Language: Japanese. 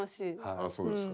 あそうですか。